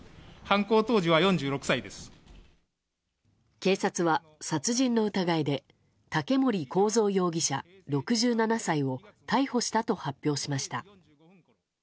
警察は殺人の疑いで竹森幸三容疑者、６７歳を逮捕したと発表しました。